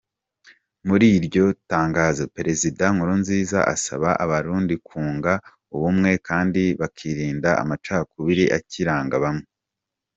Muri iryo tangazo, Perezida Nkurunziza asaba Abarundi kunga ubumwe kandi bakirinda amacakubiri akiranga bamwe.